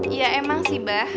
iya emang sih bah